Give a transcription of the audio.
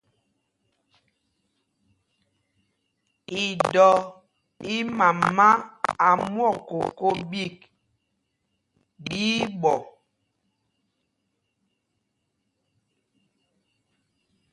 Idɔ í mama a mwɔk koko ɓîk, ɓí í ɓɔ.